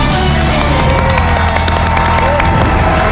ได้ค่ะ